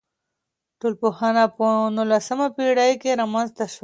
ټولنپوهنه په نولسمه پېړۍ کي رامنځته سوه.